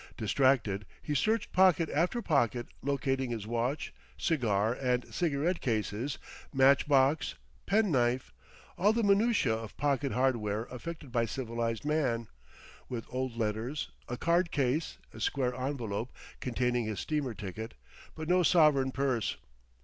Distracted, he searched pocket after pocket, locating his watch, cigar and cigarette cases, match box, penknife all the minutiae of pocket hardware affected by civilized man; with old letters, a card case, a square envelope containing his steamer ticket; but no sovereign purse.